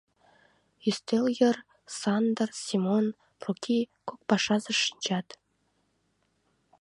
Ӱстел йыр Сандыр, Семон, Проки, кок пашазе шинчат.